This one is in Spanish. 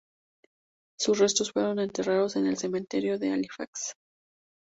Sus restos fueron enterrados en el cementerio de Halifax.